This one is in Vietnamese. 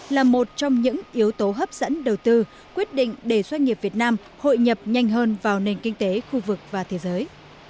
là một trong những yếu tố hấp dẫn đầu tư quyết định để doanh nghiệp việt nam hội nhập nhanh hơn vào nền kinh tế khu vực và thế giới